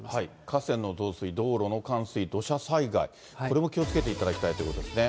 河川の増水、道路の冠水、土砂災害、これも気をつけていただきたいということですね。